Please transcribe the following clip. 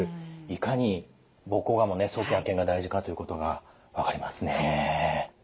いかに膀胱がんも早期発見が大事かということが分かりますね。